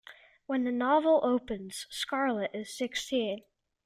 When the novel opens, Scarlett is sixteen.